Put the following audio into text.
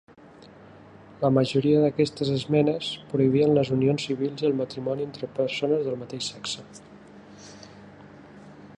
La majoria d'aquestes esmenes prohibien les unions civils i el matrimoni entre persones del mateix sexe.